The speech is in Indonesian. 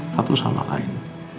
satu sama lain